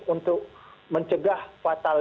untuk mencegah fatal